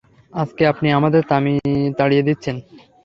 আজকে আপনি আমাদের তাড়িয়ে দিচ্ছেন।